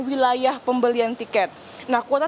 wilayah pembelian tiket nah kuota